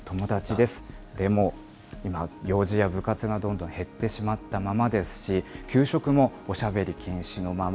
でも今、行事や部活がどんどん減ってしまったままですし、給食もおしゃべり禁止のまま。